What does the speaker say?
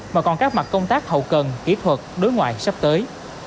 mà còn các mặt công tác hậu cần kỹ thuật đối ngoại sắp tới